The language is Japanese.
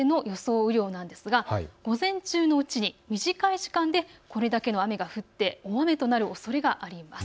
雨量なんですが午前中のうちに短い時間でこれだけの雨が降って大雨となるおそれがあります。